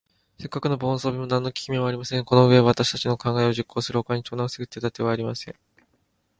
せっかくの防備装置も、なんのききめもありません。このうえは、わたくしの考えを実行するほかに、盗難をふせぐ手だてはありません。